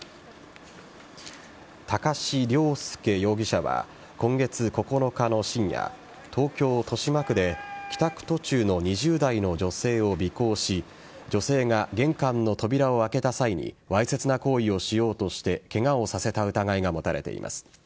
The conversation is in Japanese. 高師良介容疑者は今月９日の深夜東京・豊島区で帰宅途中の２０代の女性を尾行し女性が玄関の扉を開けた際にわいせつな行為をしようとしてケガをさせた疑いが持たれています。